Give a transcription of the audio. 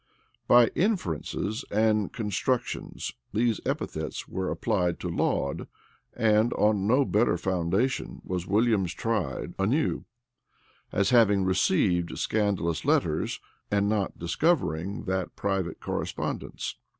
By inferences and constructions, these epithets were applied to Laud; and on no better foundation was Williams tried anew, as having received scandalous letters, and not discovering that private correspondence.